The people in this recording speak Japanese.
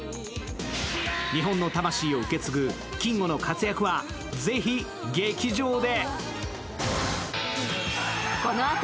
日本の魂を受け継ぐキンゴの活躍はぜひ劇場で。